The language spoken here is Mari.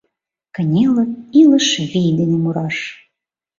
Кынелыт илыш вий дене мураш